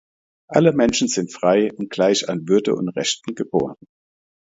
Alle Menschen sind frei und gleich an Würde und Rechten geboren.